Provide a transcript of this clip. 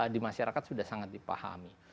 di masyarakat sudah sangat dipahami